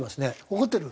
怒ってる？